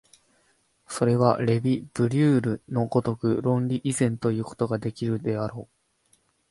それはレヴィ・ブリュールの如く論理以前ということができるであろう。